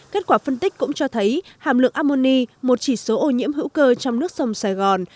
kết quả phân tích cũng cho thấy hàm lượng ammoni một chỉ số ô nhiễm hữu cơ trong nước sông sài gòn